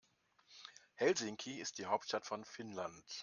Helsinki ist die Hauptstadt von Finnland.